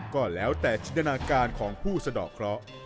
ก็แล้วแต่จินตนาการของผู้สะดอกเคราะห์